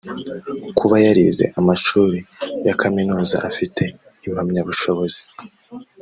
kuba yarize amashuri yakaminuza afite impamyabushobozi